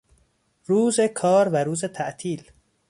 روز کار و روز تعطیل